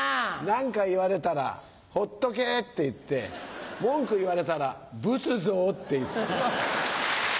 何か言われたらホットケって言って文句言われたらブツゾって言って。